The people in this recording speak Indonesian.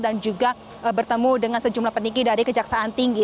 dan juga bertemu dengan sejumlah petinggi dari kejaksaan tinggi